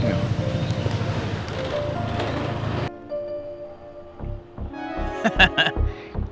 ibu elsa ibu elsa bangun